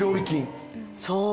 そう。